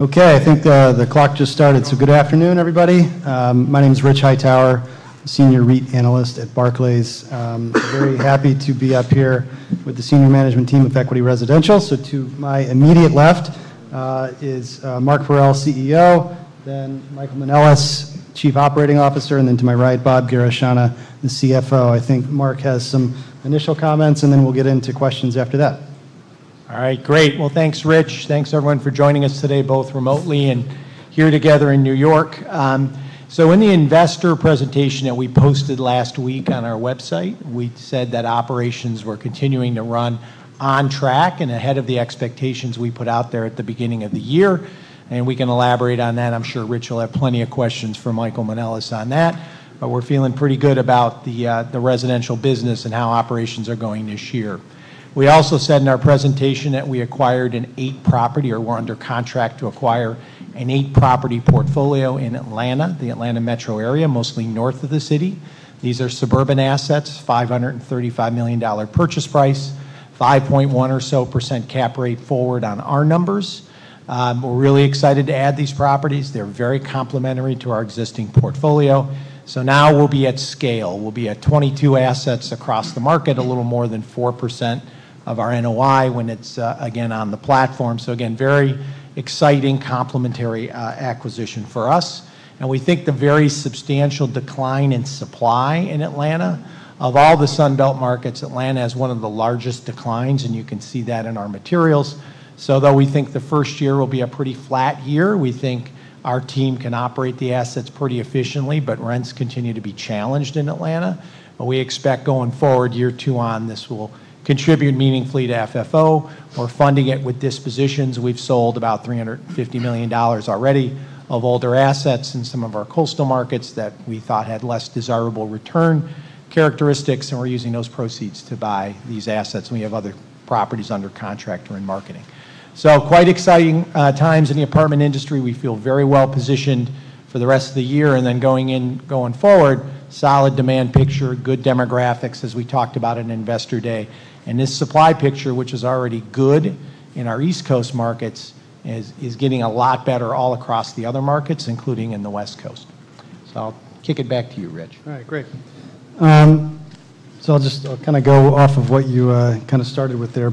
Okay, I think the clock just started. Good afternoon, everybody. My name is Rich Hightower, Senior REIT Analyst at Barclays. Very happy to be up here with the Senior Management Team of Equity Residential. To my immediate left is Mark Farrell, CEO, then Michael Manelis, Chief Operating Officer, and to my right, Bob Garechana, the CFO. I think Mark has some initial comments, and then we will get into questions after that. All right, great. Thanks, Rich. Thanks, everyone, for joining us today, both remotely and here together in New York. In the investor presentation that we posted last week on our website, we said that operations were continuing to run on track and ahead of the expectations we put out there at the beginning of the year. We can elaborate on that. I'm sure Rich will have plenty of questions for Michael Manelis on that. We're feeling pretty good about the residential business and how operations are going this year. We also said in our presentation that we acquired an eight-property or were under contract to acquire an eight-property portfolio in Atlanta, the Atlanta metro area, mostly north of the city. These are suburban assets, $535 million purchase price, 5.1% or so cap rate forward on our numbers. We're really excited to add these properties. They're very complementary to our existing portfolio. Now we'll be at scale. We'll be at 22 assets across the market, a little more than 4% of our NOI when it's again on the platform. Again, very exciting, complementary acquisition for us. We think the very substantial decline in supply in Atlanta, of all the Sunbelt markets, Atlanta has one of the largest declines, and you can see that in our materials. Though we think the first year will be a pretty flat year, we think our team can operate the assets pretty efficiently, but rents continue to be challenged in Atlanta. We expect going forward, year two on, this will contribute meaningfully to FFO. We're funding it with dispositions. We've sold about $350 million already of older assets in some of our coastal markets that we thought had less desirable return characteristics, and we're using those proceeds to buy these assets. We have other properties under contract or in marketing. Quite exciting times in the apartment industry. We feel very well positioned for the rest of the year. Going forward, solid demand picture, good demographics, as we talked about at Investor Day. This supply picture, which is already good in our East Coast markets, is getting a lot better all across the other markets, including in the West Coast. I'll kick it back to you, Rich. All right, great. I'll just kind of go off of what you kind of started with there.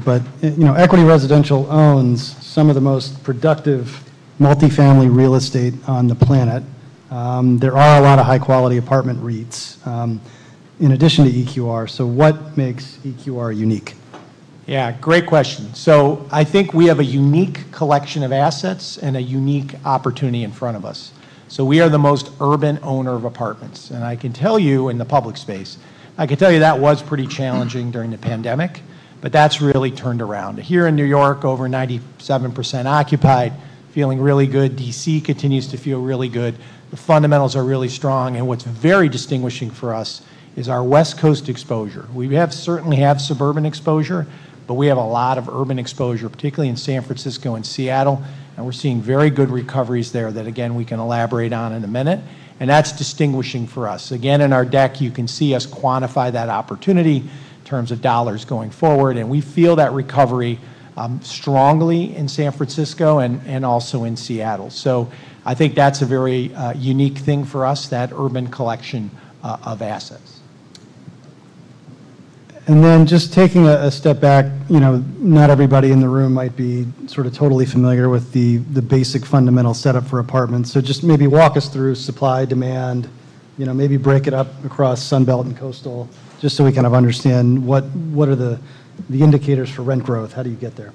Equity Residential owns some of the most productive multifamily real estate on the planet. There are a lot of high-quality apartment REITs in addition to EQR. What makes EQR unique? Yeah, great question. I think we have a unique collection of assets and a unique opportunity in front of us. We are the most urban owner of apartments. I can tell you in the public space, that was pretty challenging during the pandemic, but that's really turned around. Here in New York, over 97% occupied, feeling really good. DC continues to feel really good. The fundamentals are really strong. What's very distinguishing for us is our West Coast exposure. We certainly have suburban exposure, but we have a lot of urban exposure, particularly in San Francisco and Seattle. We're seeing very good recoveries there that, again, we can elaborate on in a minute. That's distinguishing for us. Again, in our deck, you can see us quantify that opportunity in terms of dollars going forward. We feel that recovery strongly in San Francisco and also in Seattle. I think that's a very unique thing for us, that urban collection of assets. Just taking a step back, not everybody in the room might be sort of totally familiar with the basic fundamental setup for apartments. Just maybe walk us through supply, demand, maybe break it up across Sunbelt and coastal just so we kind of understand what are the indicators for rent growth. How do you get there?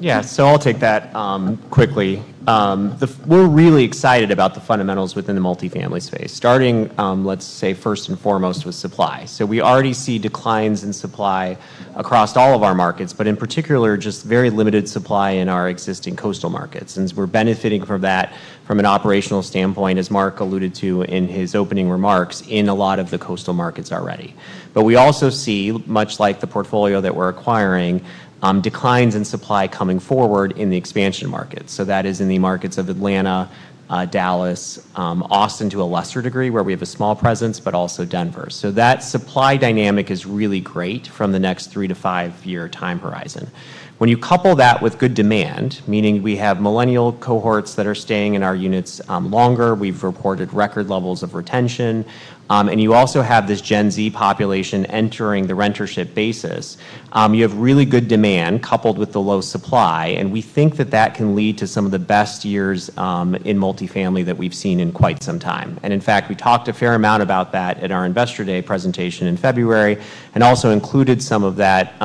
Yeah, so I'll take that quickly. We're really excited about the fundamentals within the multifamily space, starting, let's say, first and foremost, with supply. We already see declines in supply across all of our markets, but in particular, just very limited supply in our existing coastal markets. We're benefiting from that from an operational standpoint, as Mark alluded to in his opening remarks, in a lot of the coastal markets already. We also see, much like the portfolio that we're acquiring, declines in supply coming forward in the expansion markets. That is in the markets of Atlanta, Dallas, Austin to a lesser degree, where we have a small presence, but also Denver. That supply dynamic is really great from the next three- to five-year time horizon. When you couple that with good demand, meaning we have millennial cohorts that are staying in our units longer, we've reported record levels of retention, and you also have this Gen Z population entering the rentership basis, you have really good demand coupled with the low supply. We think that that can lead to some of the best years in multifamily that we've seen in quite some time. In fact, we talked a fair amount about that at our Investor Day presentation in February and also included some of that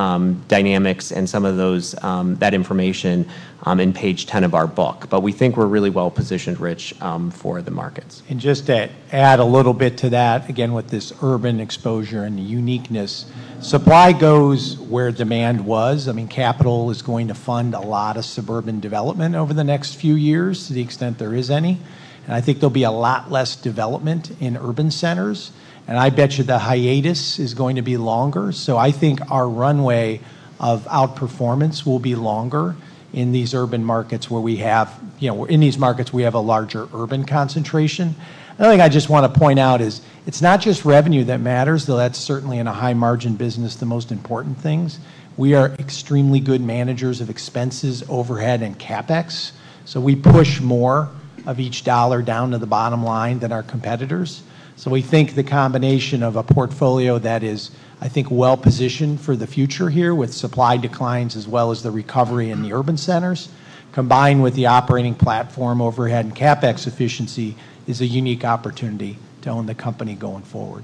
dynamics and some of that information in page 10 of our book. We think we're really well positioned, Rich, for the markets. Just to add a little bit to that, again, with this urban exposure and the uniqueness, supply goes where demand was. I mean, capital is going to fund a lot of suburban development over the next few years to the extent there is any. I think there will be a lot less development in urban centers. I bet you the hiatus is going to be longer. I think our runway of outperformance will be longer in these urban markets where we have, in these markets, we have a larger urban concentration. Another thing I just want to point out is it is not just revenue that matters, though that is certainly, in a high-margin business, the most important thing. We are extremely good managers of expenses, overhead, and CaPEx. We push more of each dollar down to the bottom line than our competitors. We think the combination of a portfolio that is, I think, well positioned for the future here with supply declines as well as the recovery in the urban centers, combined with the operating platform overhead and CaPEx efficiency, is a unique opportunity to own the company going forward.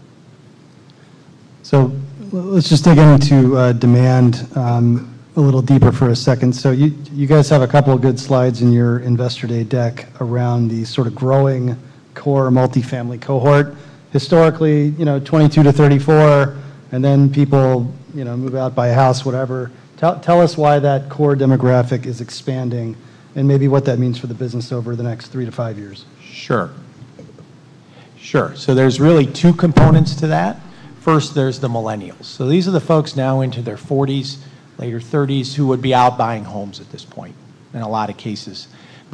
Let's just dig into demand a little deeper for a second. You guys have a couple of good slides in your Investor Day deck around the sort of growing core multifamily cohort. Historically, 22 to 34, and then people move out, buy a house, whatever. Tell us why that core demographic is expanding and maybe what that means for the business over the next three to five years. Sure. Sure. There are really two components to that. First, there are the millennials. These are the folks now into their 40s, later 30s who would be out buying homes at this point in a lot of cases.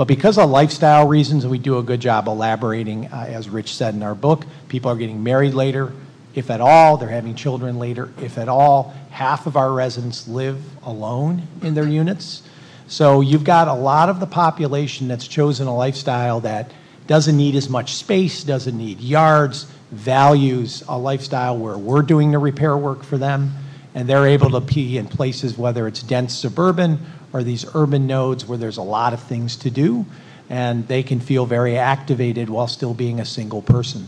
Because of lifestyle reasons, we do a good job elaborating, as Rich said in our book, people are getting married later, if at all, they are having children later, if at all. Half of our residents live alone in their units. You have a lot of the population that has chosen a lifestyle that does not need as much space, does not need yards, values a lifestyle where we are doing the repair work for them, and they are able to be in places, whether it is dense suburban or these urban nodes where there are a lot of things to do, and they can feel very activated while still being a single person.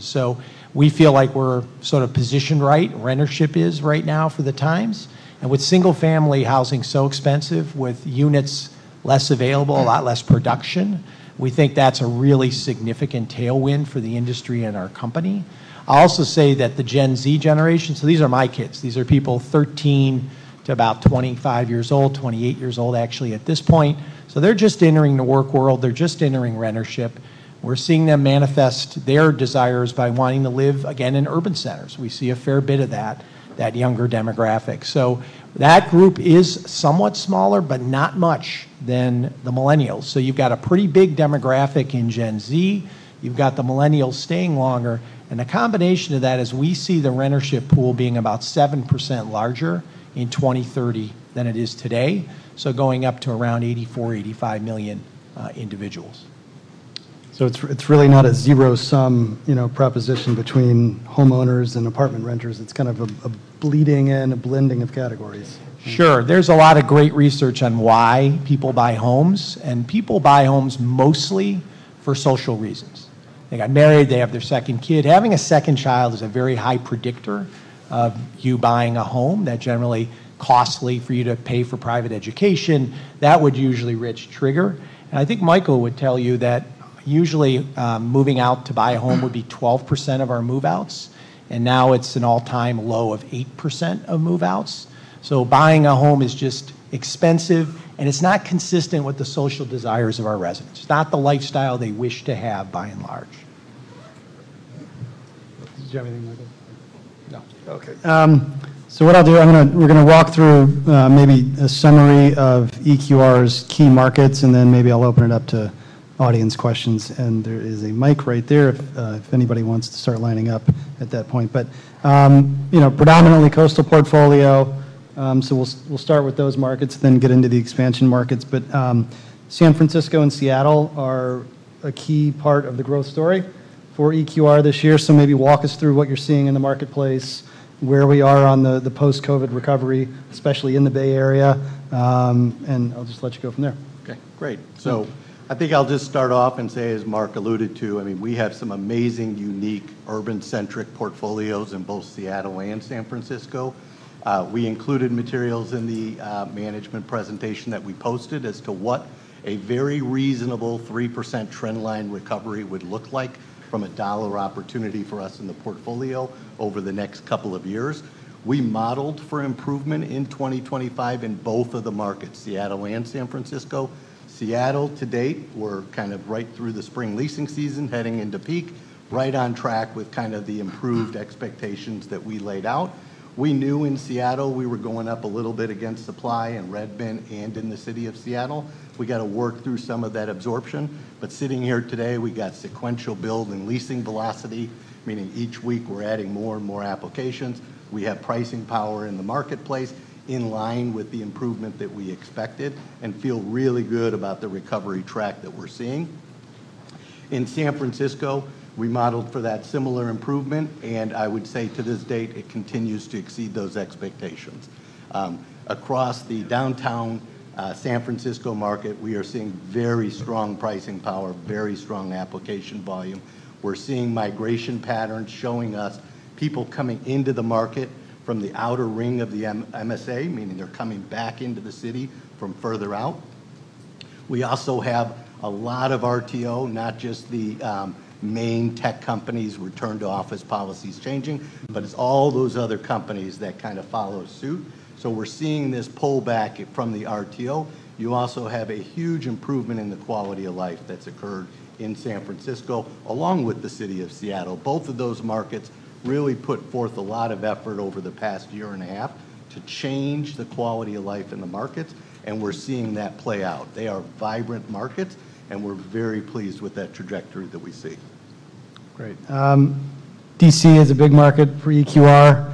We feel like we're sort of positioned right. Rentership is right now for the times. With single-family housing so expensive, with units less available, a lot less production, we think that's a really significant tailwind for the industry and our company. I'll also say that the Gen Z generation, so these are my kids. These are people 13 to about 25 years old, 28 years old, actually, at this point. They're just entering the work world. They're just entering rentership. We're seeing them manifest their desires by wanting to live, again, in urban centers. We see a fair bit of that, that younger demographic. That group is somewhat smaller, but not much, than the millennials. You've got a pretty big demographic in Gen Z. You've got the millennials staying longer. The combination of that is we see the rentership pool being about 7% larger in 2030 than it is today, going up to around 84-85 million individuals. It's really not a zero-sum proposition between homeowners and apartment renters. It's kind of a bleeding and a blending of categories. Sure. There's a lot of great research on why people buy homes. And people buy homes mostly for social reasons. They got married. They have their second kid. Having a second child is a very high predictor of you buying a home. That's generally costly for you to pay for private education. That would usually, Rich, trigger. I think Michael would tell you that usually moving out to buy a home would be 12% of our move-outs. Now it's an all-time low of 8% of move-outs. Buying a home is just expensive, and it's not consistent with the social desires of our residents. It's not the lifestyle they wish to have by and large. Do you have anything like that? No. Okay. What I'll do, we're going to walk through maybe a summary of EQR's key markets, and then maybe I'll open it up to audience questions. There is a mic right there if anybody wants to start lining up at that point. Predominantly coastal portfolio. We'll start with those markets, then get into the expansion markets. San Francisco and Seattle are a key part of the growth story for EQR this year. Maybe walk us through what you're seeing in the marketplace, where we are on the post-COVID recovery, especially in the Bay Area. I'll just let you go from there. Okay, great. I think I'll just start off and say, as Mark alluded to, I mean, we have some amazing, unique urban-centric portfolios in both Seattle and San Francisco. We included materials in the management presentation that we posted as to what a very reasonable 3% trendline recovery would look like from a dollar opportunity for us in the portfolio over the next couple of years. We modeled for improvement in 2025 in both of the markets, Seattle and San Francisco. Seattle, to date, we're kind of right through the spring leasing season heading into peak, right on track with kind of the improved expectations that we laid out. We knew in Seattle we were going up a little bit against supply in Redmond and in the city of Seattle. We got to work through some of that absorption. Sitting here today, we got sequential build and leasing velocity, meaning each week we're adding more and more applications. We have pricing power in the marketplace in line with the improvement that we expected and feel really good about the recovery track that we're seeing. In San Francisco, we modeled for that similar improvement, and I would say to this date, it continues to exceed those expectations. Across the downtown San Francisco market, we are seeing very strong pricing power, very strong application volume. We're seeing migration patterns showing us people coming into the market from the outer ring of the MSA, meaning they're coming back into the city from further out. We also have a lot of RTO, not just the main tech companies' return-to-office policies changing, but it's all those other companies that kind of follow suit. We're seeing this pullback from the RTO. You also have a huge improvement in the quality of life that's occurred in San Francisco along with the city of Seattle. Both of those markets really put forth a lot of effort over the past year and a half to change the quality of life in the markets, and we're seeing that play out. They are vibrant markets, and we're very pleased with that trajectory that we see. Great. DC is a big market for EQR.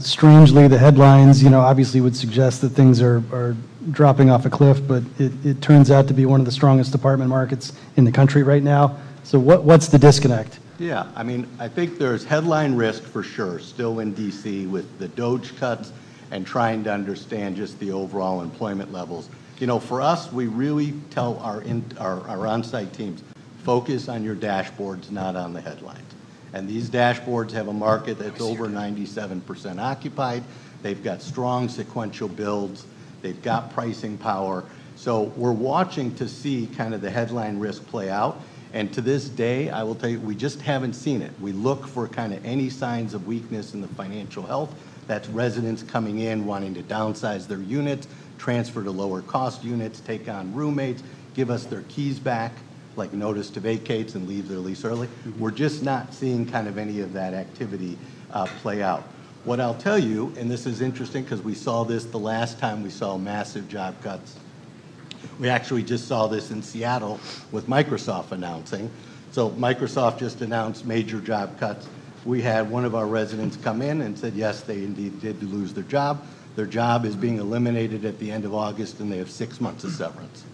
Strangely, the headlines obviously would suggest that things are dropping off a cliff, but it turns out to be one of the strongest apartment markets in the country right now. What's the disconnect? Yeah. I mean, I think there's headline risk for sure still in D.C. with the job cuts and trying to understand just the overall employment levels. For us, we really tell our onsite teams, focus on your dashboards, not on the headlines. These dashboards have a market that's over 97% occupied. They've got strong sequential builds. They've got pricing power. We're watching to see kind of the headline risk play out. To this day, I will tell you, we just haven't seen it. We look for kind of any signs of weakness in the financial health. That's residents coming in, wanting to downsize their units, transfer to lower-cost units, take on roommates, give us their keys back, like notice to vacate and leave their lease early. We're just not seeing kind of any of that activity play out. What I'll tell you, and this is interesting because we saw this the last time we saw massive job cuts. We actually just saw this in Seattle with Microsoft announcing. Microsoft just announced major job cuts. We had one of our residents come in and said, yes, they indeed did lose their job. Their job is being eliminated at the end of August, and they have six months of severance.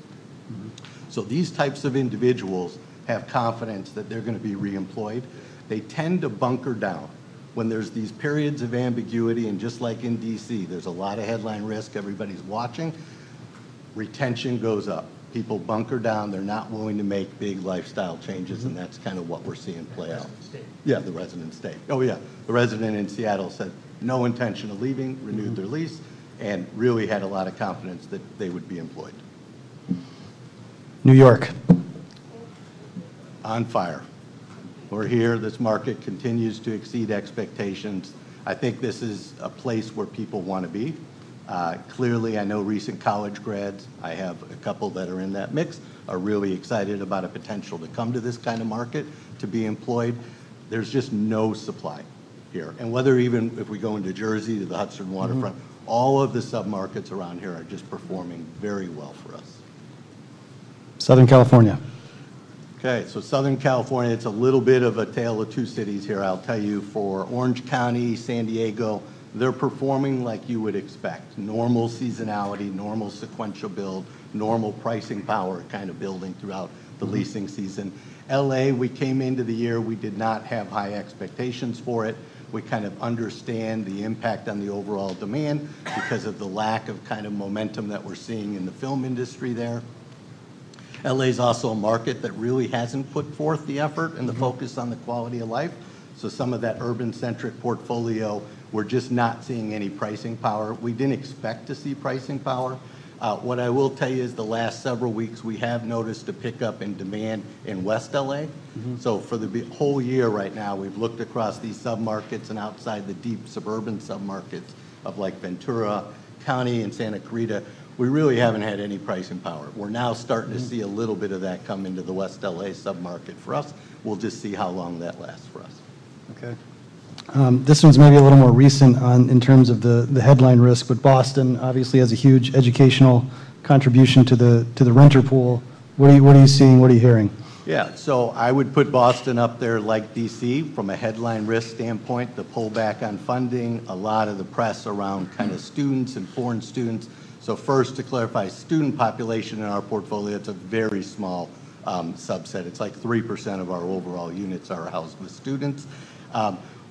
These types of individuals have confidence that they're going to be reemployed. They tend to bunker down when there's these periods of ambiguity. Just like in D.C., there's a lot of headline risk. Everybody's watching. Retention goes up. People bunker down. They're not willing to make big lifestyle changes, and that's kind of what we're seeing play out. Residents stay. Yeah, the residents stay. Oh, yeah. The resident in Seattle said no intention of leaving, renewed their lease, and really had a lot of confidence that they would be employed. New York. On fire. We're here. This market continues to exceed expectations. I think this is a place where people want to be. Clearly, I know recent college grads. I have a couple that are in that mix, are really excited about a potential to come to this kind of market, to be employed. There's just no supply here. Even if we go into Jersey, to the Hudson waterfront, all of the submarkets around here are just performing very well for us. Southern California. Okay. Southern California, it's a little bit of a tale of two cities here. I'll tell you, for Orange County, San Diego, they're performing like you would expect. Normal seasonality, normal sequential build, normal pricing power kind of building throughout the leasing season. LA, we came into the year, we did not have high expectations for it. We kind of understand the impact on the overall demand because of the lack of kind of momentum that we're seeing in the film industry there. LA is also a market that really hasn't put forth the effort and the focus on the quality of life. Some of that urban-centric portfolio, we're just not seeing any pricing power. We didn't expect to see pricing power. What I will tell you is the last several weeks, we have noticed a pickup in demand in West LA. For the whole year right now, we've looked across these submarkets and outside the deep suburban submarkets of Ventura County and Santa Clarita, we really haven't had any pricing power. We're now starting to see a little bit of that come into the West LA submarket for us. We'll just see how long that lasts for us. Okay. This one's maybe a little more recent in terms of the headline risk, but Boston obviously has a huge educational contribution to the renter pool. What are you seeing? What are you hearing? Yeah. I would put Boston up there like D.C. from a headline risk standpoint, the pullback on funding, a lot of the press around kind of students and foreign students. First, to clarify, student population in our portfolio, it's a very small subset. It's like 3% of our overall units are housed with students.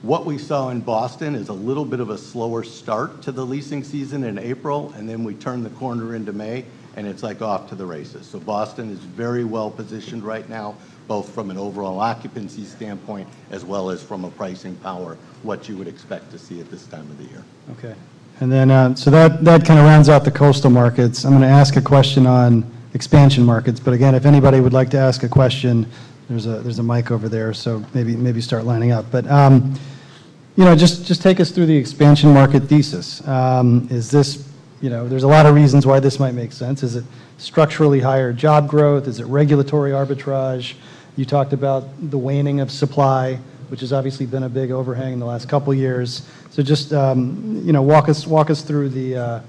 What we saw in Boston is a little bit of a slower start to the leasing season in April, and then we turn the corner into May, and it's like off to the races. Boston is very well positioned right now, both from an overall occupancy standpoint as well as from a pricing power, what you would expect to see at this time of the year. Okay. That kind of rounds out the coastal markets. I'm going to ask a question on expansion markets. If anybody would like to ask a question, there's a mic over there, so maybe start lining up. Just take us through the expansion market thesis. There are a lot of reasons why this might make sense. Is it structurally higher job growth? Is it regulatory arbitrage? You talked about the waning of supply, which has obviously been a big overhang in the last couple of years. Just walk us through the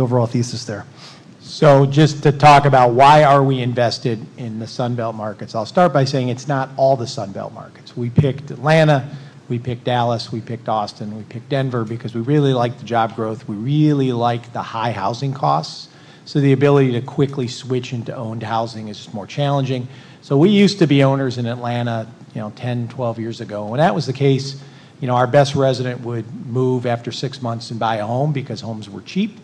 overall thesis there. Just to talk about why are we invested in the Sunbelt markets, I'll start by saying it's not all the Sunbelt markets. We picked Atlanta, we picked Dallas, we picked Austin, we picked Denver because we really like the job growth. We really like the high housing costs. The ability to quickly switch into owned housing is more challenging. We used to be owners in Atlanta 10, 12 years ago. When that was the case, our best resident would move after six months and buy a home because homes were cheap,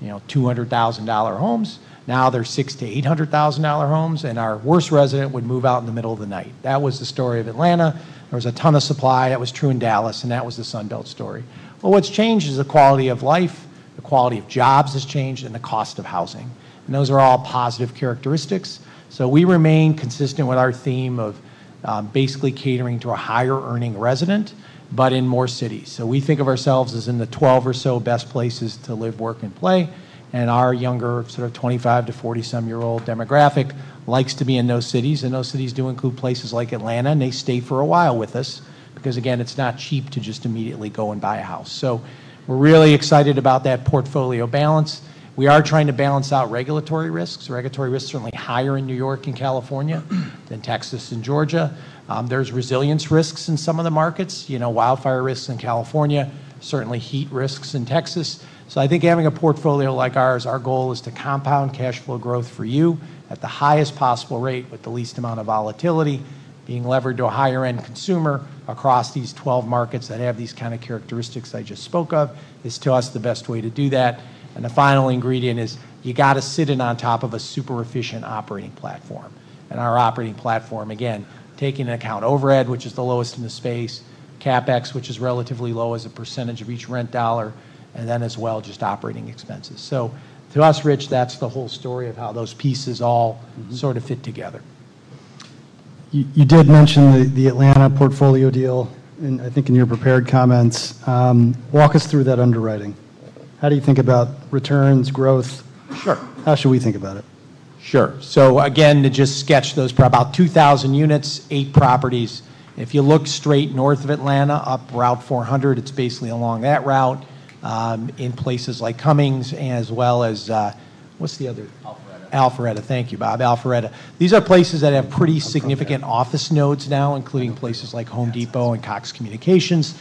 $200,000 homes. Now they're $600,000-$800,000 homes, and our worst resident would move out in the middle of the night. That was the story of Atlanta. There was a ton of supply. That was true in Dallas, and that was the Sunbelt story. What's changed is the quality of life. The quality of jobs has changed and the cost of housing. Those are all positive characteristics. We remain consistent with our theme of basically catering to a higher-earning resident, but in more cities. We think of ourselves as in the 12% or so best places to live, work, and play. Our younger sort of 25 to 40-some-year-old demographic likes to be in those cities. Those cities do include places like Atlanta, and they stay for a while with us because, again, it's not cheap to just immediately go and buy a house. We're really excited about that portfolio balance. We are trying to balance out regulatory risks. Regulatory risks are certainly higher in New York and California than Texas and Georgia. There are resilience risks in some of the markets, wildfire risks in California, certainly heat risks in Texas. I think having a portfolio like ours, our goal is to compound cash flow growth for you at the highest possible rate with the least amount of volatility, being levered to a higher-end consumer across these 12 markets that have these kind of characteristics I just spoke of. It is to us the best way to do that. The final ingredient is you got to sit in on top of a super efficient operating platform. Our operating platform, again, taking into account overhead, which is the lowest in the space, CapEx, which is relatively low as a percentage of each rent dollar, and then as well just operating expenses. To us, Rich, that is the whole story of how those pieces all sort of fit together. You did mention the Atlanta portfolio deal, and I think in your prepared comments, walk us through that underwriting. How do you think about returns, growth? Sure. How should we think about it? Sure. So again, to just sketch those, about 2,000 units, eight properties. If you look straight north of Atlanta, up route 400, it's basically along that route in places like Cummings as well as what's the other? Alpharetta. Alpharetta. Thank you, Bob. Alpharetta. These are places that have pretty significant office nodes now, including places like Home Depot and Cox Communications.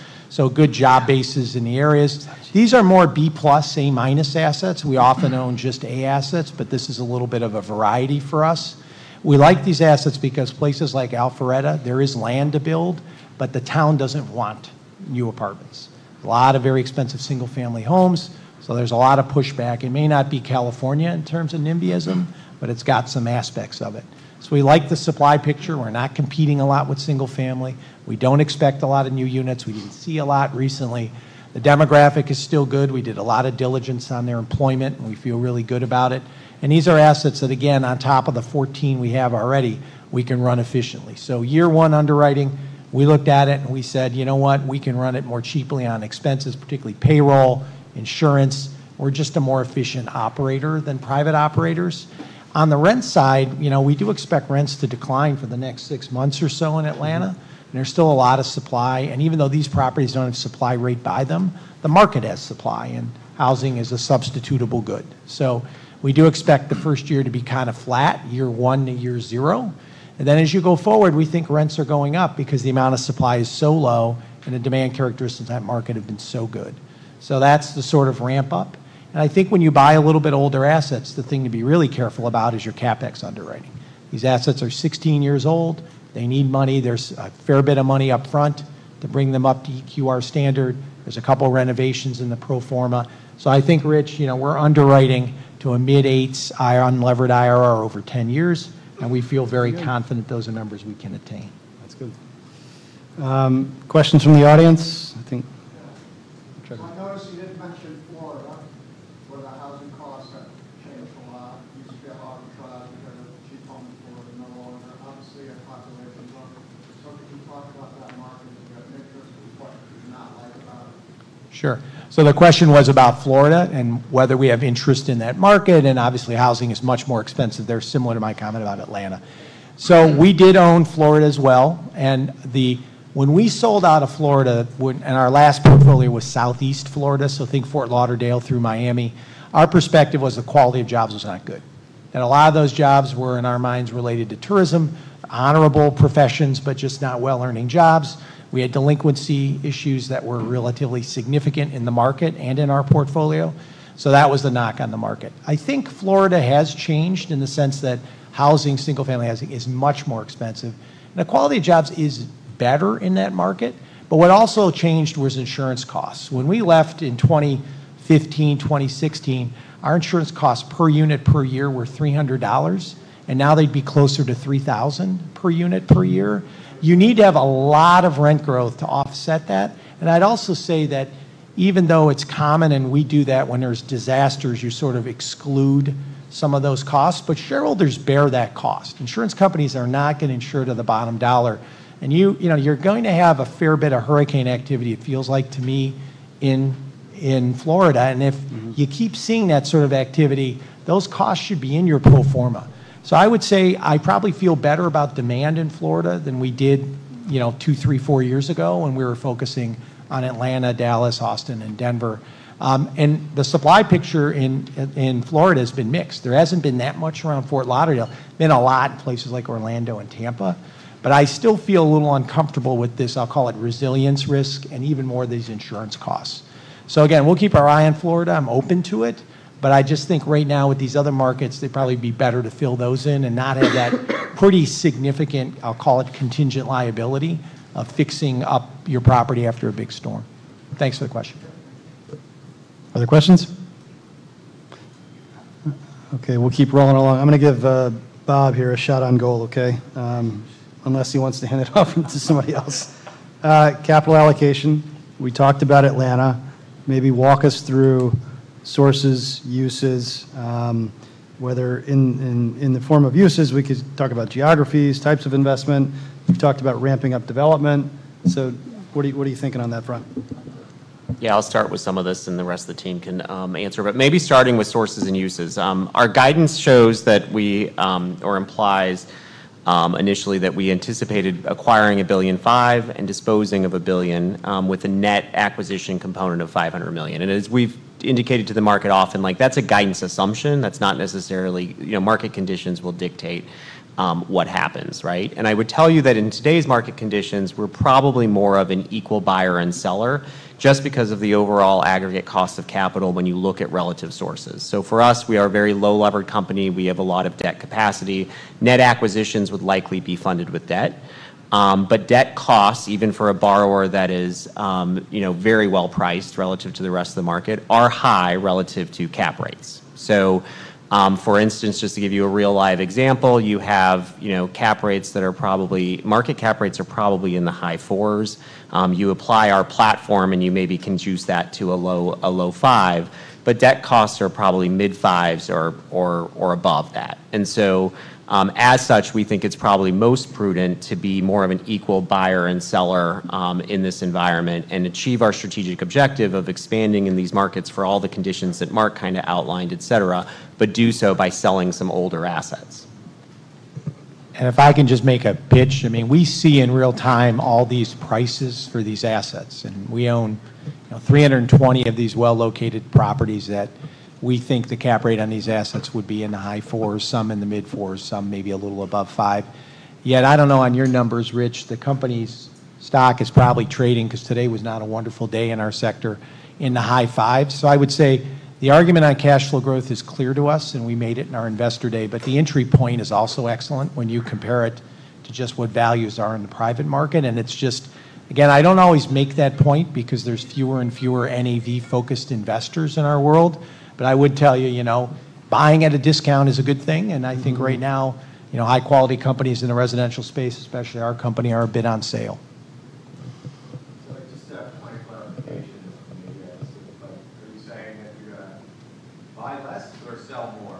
Good job bases in the areas. These are more B+, A- assets. We often own just A assets, but this is a little bit of a variety for us. We like these assets because places like Alpharetta, there is land to build, but the town does not want new apartments. A lot of very expensive single-family homes. There is a lot of pushback. It may not be California in terms of NIMBYism, but it has some aspects of it. We like the supply picture. We are not competing a lot with single-family. We do not expect a lot of new units. We did not see a lot recently. The demographic is still good. We did a lot of diligence on their employment, and we feel really good about it. These are assets that, again, on top of the 14 we have already, we can run efficiently. Year one underwriting, we looked at it and we said, you know what? We can run it more cheaply on expenses, particularly payroll, insurance. We are just a more efficient operator than private operators. On the rent side, we do expect rents to decline for the next six months or so in Atlanta, and there is still a lot of supply. Even though these properties do not have supply right by them, the market has supply, and housing is a substitutable good. We do expect the first year to be kind of flat, year one to year zero. As you go forward, we think rents are going up because the amount of supply is so low and the demand characteristics of that market have been so good. That's the sort of ramp-up. I think when you buy a little bit older assets, the thing to be really careful about is your CapEx underwriting. These assets are 16 years old. They need money. There's a fair bit of money upfront to bring them up to EQR standard. There's a couple of renovations in the pro forma. I think, Rich, we're underwriting to a mid-8% levered IRR over 10 years, and we feel very confident those are numbers we can attain. That's good. Questions from the audience? I think. I noticed you did mention Florida, where the housing costs have changed a lot. You spent a lot of trust to keep home for no longer. Obviously, a population growth. Can you talk about that market and your interest in what you do not like about it? Sure. The question was about Florida and whether we have interest in that market. Obviously, housing is much more expensive there, similar to my comment about Atlanta. We did own Florida as well. When we sold out of Florida, and our last portfolio was Southeast Florida, so I think Fort Lauderdale through Miami, our perspective was the quality of jobs was not good. A lot of those jobs were, in our minds, related to tourism, honorable professions, but just not well-earning jobs. We had delinquency issues that were relatively significant in the market and in our portfolio. That was the knock on the market. I think Florida has changed in the sense that housing, single-family housing, is much more expensive. The quality of jobs is better in that market. What also changed was insurance costs. When we left in 2015, 2016, our insurance costs per unit per year were $300, and now they'd be closer to $3,000 per unit per year. You need to have a lot of rent growth to offset that. I'd also say that even though it's common, and we do that when there's disasters, you sort of exclude some of those costs, but shareholders bear that cost. Insurance companies are not going to insure to the bottom dollar. You're going to have a fair bit of hurricane activity, it feels like to me, in Florida. If you keep seeing that sort of activity, those costs should be in your pro forma. I would say I probably feel better about demand in Florida than we did two, three, four years ago when we were focusing on Atlanta, Dallas, Austin, and Denver. The supply picture in Florida has been mixed. There has not been that much around Fort Lauderdale. There has been a lot in places like Orlando and Tampa. I still feel a little uncomfortable with this, I will call it resilience risk, and even more these insurance costs. Again, we will keep our eye on Florida. I am open to it. I just think right now, with these other markets, they would probably be better to fill those in and not have that pretty significant, I will call it contingent liability of fixing up your property after a big storm. Thanks for the question. Other questions? Okay. We'll keep rolling along. I'm going to give Bob here a shot on goal, okay? Unless he wants to hand it off to somebody else. Capital allocation. We talked about Atlanta. Maybe walk us through sources, uses, whether in the form of uses, we could talk about geographies, types of investment. You talked about ramping up development. So what are you thinking on that front? Yeah, I'll start with some of this and the rest of the team can answer. Maybe starting with sources and uses. Our guidance shows that we, or implies initially, that we anticipated acquiring $1.5 billion and disposing of $1 billion with a net acquisition component of $500 million. As we've indicated to the market often, that's a guidance assumption. That's not necessarily market conditions will dictate what happens, right? I would tell you that in today's market conditions, we're probably more of an equal buyer and seller just because of the overall aggregate cost of capital when you look at relative sources. For us, we are a very low-levered company. We have a lot of debt capacity. Net acquisitions would likely be funded with debt. Debt costs, even for a borrower that is very well priced relative to the rest of the market, are high relative to cap rates. For instance, just to give you a real live example, you have cap rates that are probably market cap rates are probably in the high fours. You apply our platform and you maybe can juice that to a low five. Debt costs are probably mid-fives or above that. As such, we think it is probably most prudent to be more of an equal buyer and seller in this environment and achieve our strategic objective of expanding in these markets for all the conditions that Mark kind of outlined, etc., but do so by selling some older assets. If I can just make a pitch, I mean, we see in real time all these prices for these assets. We own 320 of these well-located properties that we think the cap rate on these assets would be in the high 4s, some in the mid-4s, some maybe a little above 5. Yet I do not know on your numbers, Rich, the company's stock is probably trading, because today was not a wonderful day in our sector, in the high 5. I would say the argument on cash flow growth is clear to us, and we made it in our investor day. The entry point is also excellent when you compare it to just what values are in the private market. It is just, again, I do not always make that point because there are fewer and fewer NAV-focused investors in our world. I would tell you, buying at a discount is a good thing. I think right now, high-quality companies in the residential space, especially our company, are a bit on sale. Just to have a point of clarification, maybe I ask it, but are you saying that you're going to buy less or sell more?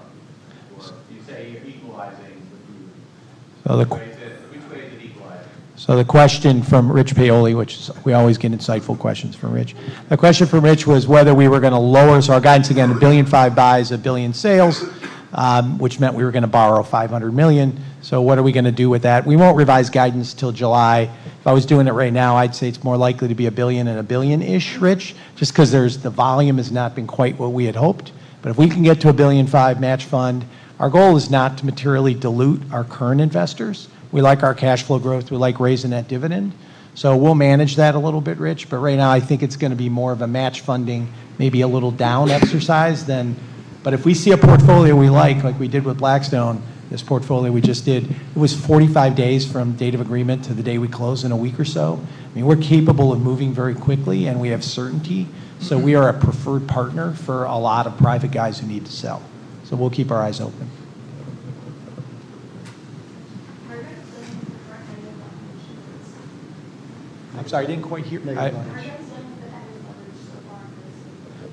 Or do you say you're equalizing with new ways of equalizing? The question from Rich Paoli, which we always get insightful questions from Rich. The question from Rich was whether we were going to lower our guidance again, $1.5 billion buys, $1 billion sales, which meant we were going to borrow $500 million. What are we going to do with that? We will not revise guidance until July. If I was doing it right now, I would say it is more likely to be $1 billion and $1 billion-ish, Rich, just because the volume has not been quite what we had hoped. If we can get to $1.5 billion match fund, our goal is not to materially dilute our current investors. We like our cash flow growth. We like raising that dividend. We will manage that a little bit, Rich. Right now, I think it's going to be more of a match funding, maybe a little down exercise than. If we see a portfolio we like, like we did with Blackstone, this portfolio we just did, it was 45 days from date of agreement to the day we close in a week or so. I mean, we're capable of moving very quickly, and we have certainty. We are a preferred partner for a lot of private guys who need to sell. We'll keep our eyes open. I'm sorry, I didn't quite hear the.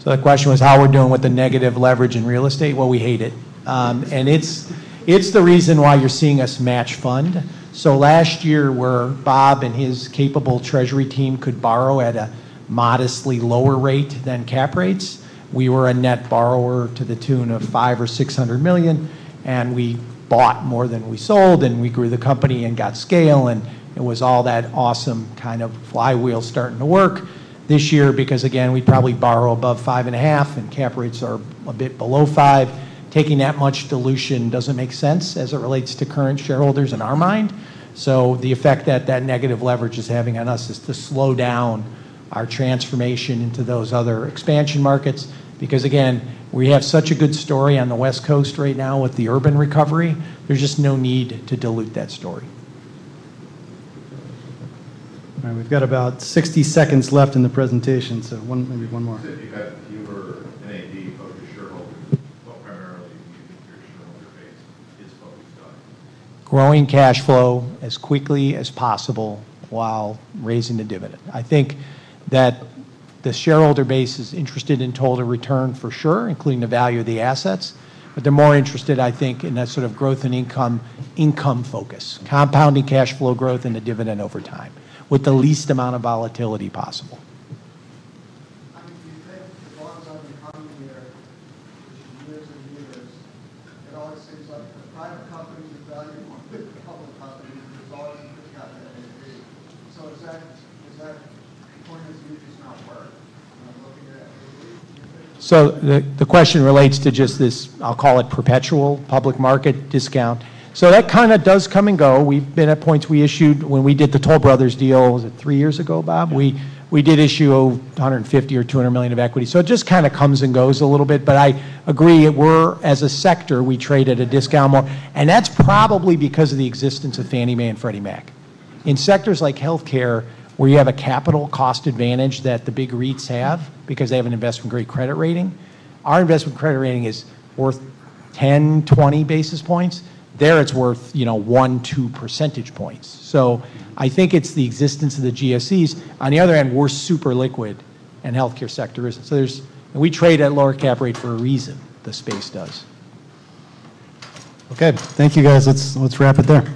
The question was how we are doing with the negative leverage in real estate. We hate it. It is the reason why you are seeing us match fund. Last year, where Bob and his capable treasury team could borrow at a modestly lower rate than cap rates, we were a net borrower to the tune of $500 million-$600 million. We bought more than we sold, and we grew the company and got scale. It was all that awesome kind of flywheel starting to work this year because, again, we would probably borrow above 5.5%, and cap rates are a bit below 5%. Taking that much dilution does not make sense as it relates to current shareholders in our mind. The effect that that negative leverage is having on us is to slow down our transformation into those other expansion markets because, again, we have such a good story on the West Coast right now with the urban recovery. There's just no need to dilute that story. We've got about 60 seconds left in the presentation, so maybe one more. You said you had fewer NAV focused shareholders. What primarily do you think your shareholder base is focused on? Growing cash flow as quickly as possible while raising the dividend. I think that the shareholder base is interested in total return for sure, including the value of the assets. They are more interested, I think, in that sort of growth and income focus, compounding cash flow growth and the dividend over time with the least amount of volatility possible. I agree with it. The bottom line coming here is years and years, it always seems like the private companies are valued more than the public companies because it's always discounted NAV. Is that point of view just not work when I'm looking at NAV? The question relates to just this, I'll call it perpetual public market discount. That kind of does come and go. We've been at points we issued when we did the Toll Brothers deal, was it three years ago, Bob? We did issue $150 million or $200 million of equity. It just kind of comes and goes a little bit. I agree that we're, as a sector, we trade at a discount more. That's probably because of the existence of Fannie Mae and Freddie Mac. In sectors like healthcare, where you have a capital cost advantage that the big REITs have because they have an investment-grade credit rating, our investment-grade credit rating is worth 10-20 basis points. There, it's worth one-two percentage points. I think it's the existence of the GSEs. On the other hand, we're super liquid and healthcare sector is. We trade at lower cap rate for a reason. The space does. Okay. Thank you, guys. Let's wrap it there.